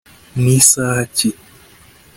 nisaha ki